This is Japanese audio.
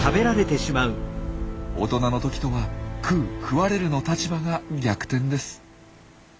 大人の時とは食う食われるの立場が逆転です。